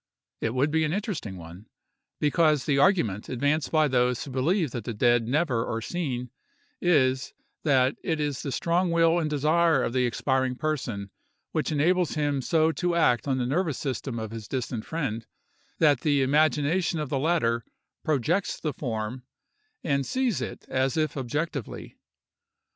It would be an interesting one, because the argument advanced by those who believe that the dead never are seen, is, that it is the strong will and desire of the expiring person which enables him so to act on the nervous system of his distant friend, that the imagination of the latter projects the form, and sees it as if objectively.